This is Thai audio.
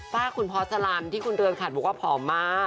ฝากคุณพ่อสลันที่คุณเรือนขัดบอกว่าผอมมาก